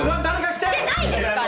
してないですから！